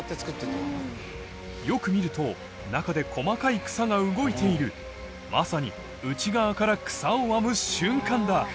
よく見ると中で細かい草が動いているまさに内側から草を編む瞬間だ